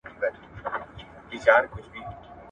ته وا وږم د سنځلو دی اوبو کې